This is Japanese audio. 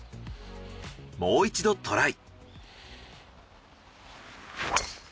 もう一度トライ。